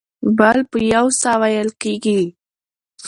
بل په یو ساه وېل کېږي.